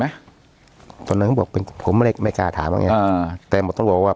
ไหมตอนนั้นเขาบอกเป็นผมไม่ได้ไม่กล้าถามอ่าแต่หมดตำรวจว่า